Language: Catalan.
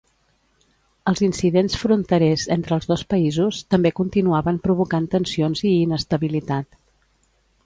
Els incidents fronterers entre els dos països també continuaven provocant tensions i inestabilitat.